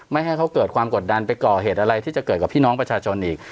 ให้เขาเกิดความกดดันไปก่อเหตุอะไรที่จะเกิดกับพี่น้องประชาชนอีก